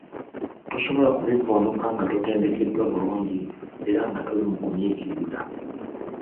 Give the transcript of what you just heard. Tosobola kubivvuunuka nga totendekeddwa bulungi era nga toli mugumiikiriza.